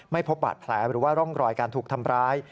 พบบาดแผลหรือว่าร่องรอยการถูกทำร้าย